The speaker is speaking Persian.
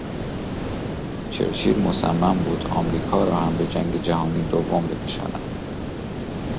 چرچیل مصمم بود امریکا را هم به جنگ جهانی دوم بکشاند.